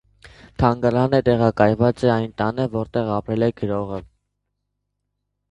Թանգարանը տեղակայված է այն տանը, որտեղ ապրել է գրողը։